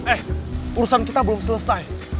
eh urusan kita belum selesai